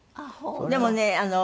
でもね